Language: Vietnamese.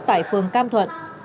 tại phường cam thuận